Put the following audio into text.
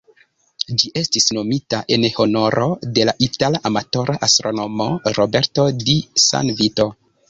Ĝi estis nomita en honoro de la itala amatora astronomo "Roberto di San Vito".